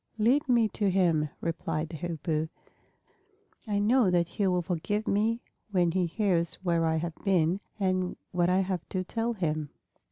"Lead me to him," replied the Hoopoe. "I know that he will forgive me when he hears where I have been and what I have to tell him."